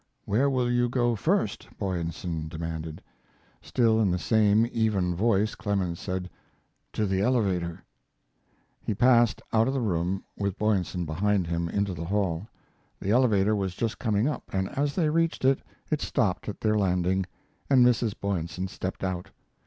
"Where will you go first," Boyesen demanded. Still in the same even voice Clemens said: "To the elevator." He passed out of the room, with Boyesen behind him, into the hall. The elevator was just coming up, and as they reached it, it stopped at their landing, and Mrs. Boyesen stepped out.